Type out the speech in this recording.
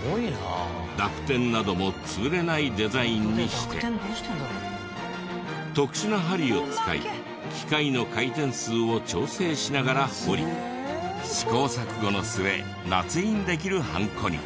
濁点なども潰れないデザインにして特殊な針を使い機械の回転数を調整しながら彫り試行錯誤の末捺印できるハンコに。